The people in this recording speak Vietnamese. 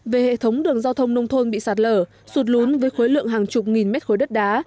về hệ thống đường giao thông nông thôn bị sạt lở sụt lún với khối lượng hàng chục nghìn mét khối đất đá